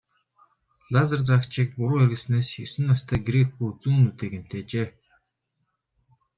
Лазер заагчийг буруу хэрэглэснээс есөн настай грек хүү зүүн нүдээ гэмтээжээ.